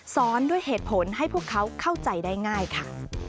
สอนด้วยเหตุผลให้พวกเขาเข้าใจได้ง่ายค่ะ